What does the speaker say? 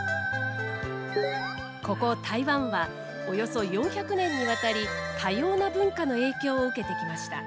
ここ台湾はおよそ４００年にわたり多様な文化の影響を受けてきました。